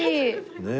ねえ。